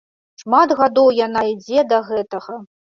Шмат гадоў яна ідзе да гэтага.